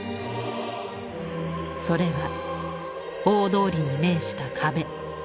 それは大通りに面した壁。